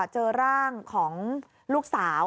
เจอร่างของลูกสาว